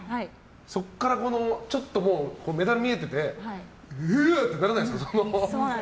そこから、ちょっともうメダルが見えててうわーってならないんですか？